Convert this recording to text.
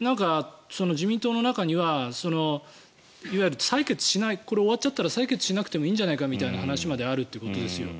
自民党の中にはいわゆる採決しないこれが終わっちゃったら採決しなくていいんじゃないかみたいな話まであるということですよ。